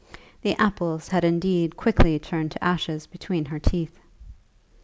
The apples had indeed quickly turned to ashes between her teeth!